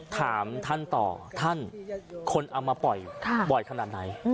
ถามท่านต่อท่านคนเอามาปล่อยบ่อยขนาดไหน